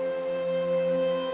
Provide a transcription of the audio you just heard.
belubang nombor abu ko